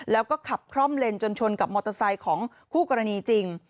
แล้วก็ขับคล่อมเลนจนชนกับมอเตอร์ไซค์ของคู่กรณีจริง